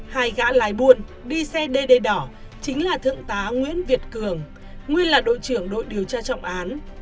hai gã lái buồn đi xe đê đê đỏ chính là thượng tá nguyễn việt cường nguyên là đội trưởng đội điều tra trọng án